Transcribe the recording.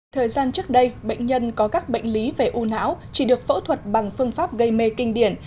thời gian trước đây bệnh nhân có các bệnh lý về u não chỉ được phẫu thuật bằng phương pháp gây mê kinh điển